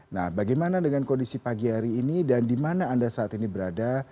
nah bagaimana dengan kondisi pagi hari ini dan di mana anda saat ini berada